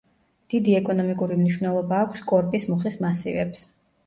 დიდი ეკონომიკური მნიშვნელობა აქვს კორპის მუხის მასივებს.